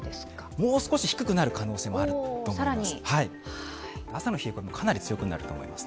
もう少し低くなる可能性もあると思います。